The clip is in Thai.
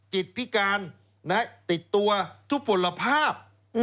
พิการติดตัวทุกผลภาพ